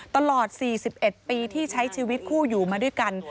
ตลอด๔๑ปีที่ใช้ชีวิตคู่อยู่มาด้วยกัน